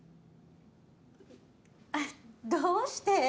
えっどうして？